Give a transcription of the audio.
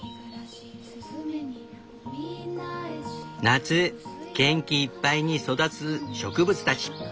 夏元気いっぱいに育つ植物たち。